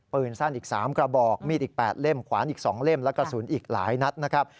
ปืนสั้นอีก๓กระบอกมีดอีก๘เล่มขวานอีก๒เล่มและกระสุนอีกหลายนัดนะครับ